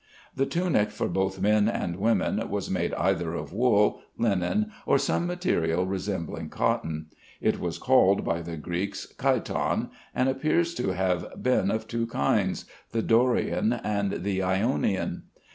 The tunic for both men and women was made either of wool, linen, or some material resembling cotton. It was called by the Greeks "chiton," and appears to have been of two kinds, the Dorian and the Ionian.